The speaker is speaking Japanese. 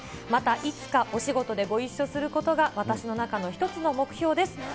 また、いつかお仕事でご一緒することが、私の中の一つの目標です。